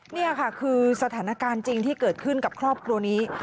นี่ค่ะคือสถานการณ์จริงที่เกิดขึ้นกับครอบครัวนี้